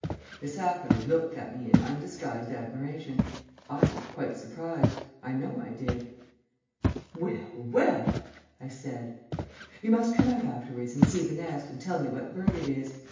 Miss Atherley looked at me in undisguised admiration. I looked quite surprised I know I did. "Well, well!" I said. "You must come out afterwards and see the nest and tell me what bird it is.